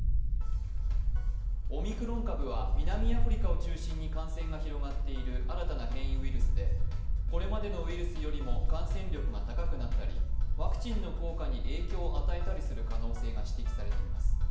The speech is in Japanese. オミクロン株は南アフリカを中心に感染が広がっている新たな変異ウイルスで、これまでのウイルスよりも感染力が高くなったり、ワクチンの効果に影響を与えたりする可能性が指摘されています。